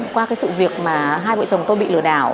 qua cái sự việc mà hai vợ chồng tôi bị lừa đảo